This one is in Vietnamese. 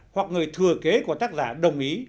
hoặc người thừa kế của tác giả đồng ý